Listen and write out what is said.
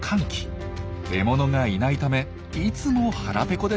獲物がいないためいつも腹ペコでした。